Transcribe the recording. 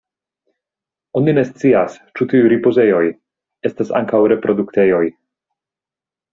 Oni ne scias ĉu tiuj ripozejoj estas ankaŭ reproduktejoj.